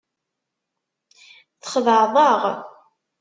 Txedεeḍ-aɣ.